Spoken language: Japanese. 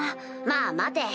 まぁ待て。